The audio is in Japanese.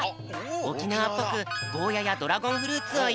おきなわっぽくゴーヤやドラゴンフルーツをようい。